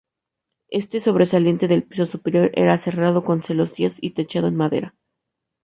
Este sobresaliente del piso superior era cerrado con celosías y techado en madera.